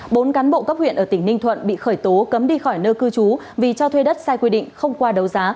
bốn cán bộ cấp huyện ở tỉnh ninh thuận bị khởi tố cấm đi khỏi nơi cư trú vì cho thuê đất sai quy định không qua đấu giá